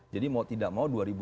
jadi mau tidak mau